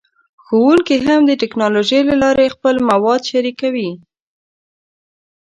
ښوونکي هم د ټیکنالوژۍ له لارې خپل مواد شریکوي.